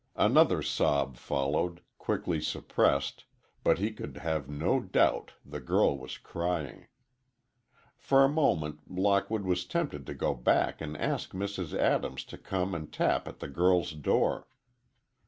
Another sob followed, quickly suppressed, but he could have no doubt the girl was crying. For a moment Lockwood was tempted to go back and ask Mrs. Adams to come and tap at the girl's door.